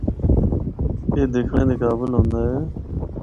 اے دکھنڑے دے قابل ہوندا ہے۔